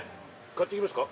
買っていきますか？